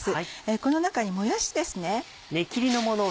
この中にもやしですね。